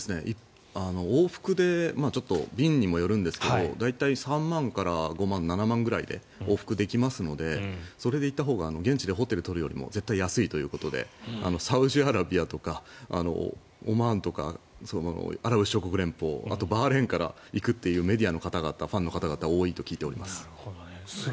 往復で便にもよるんですけど大体３万から５万、７万ぐらいで往復できますのでそれで行ったほうが現地でホテルを取るよりも安いということでサウジアラビアとかオマーンとかアラブ首長国連邦あと、バーレーンから行くというメディアの方々ファンの方々が多いと聞いています。